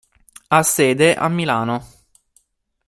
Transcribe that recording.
Ha sede a Milano.